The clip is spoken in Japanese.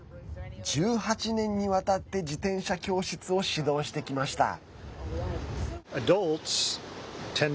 １８年にわたって自転車教室を指導してきました。